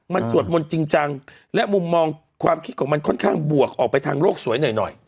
มันสวดมนต์จริงจังและมุมมองความคิดของมันค่อนข้างบวกออกไปทางโลกสวยหน่อยหน่อย